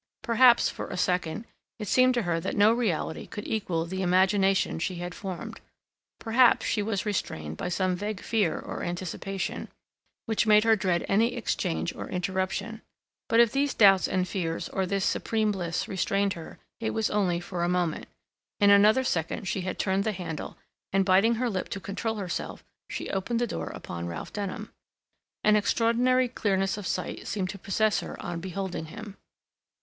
Perhaps, for a second, it seemed to her that no reality could equal the imagination she had formed. Perhaps she was restrained by some vague fear or anticipation, which made her dread any exchange or interruption. But if these doubts and fears or this supreme bliss restrained her, it was only for a moment. In another second she had turned the handle and, biting her lip to control herself, she opened the door upon Ralph Denham. An extraordinary clearness of sight seemed to possess her on beholding him.